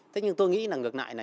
thế nhưng tôi nghĩ là ngược lại là